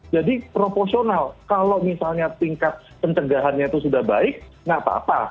jadi proporsional kalau misalnya tingkat pencegahannya itu sudah baik nggak apa apa